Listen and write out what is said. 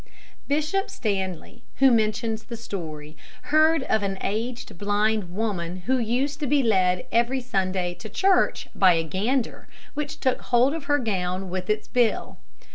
Bishop Stanley, who mentions the story, heard of an aged blind woman who used to be led every Sunday to church by a gander, which took hold of her gown with its bill.